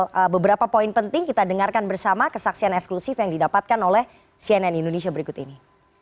ada beberapa poin penting kita dengarkan bersama kesaksian eksklusif yang didapatkan oleh cnn indonesia berikut ini